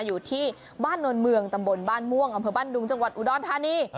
อยู่ที่บ้านนวลเมืองตำบลบ้านม่วงอำเภอบ้านดุงจังหวัดอุดรธานี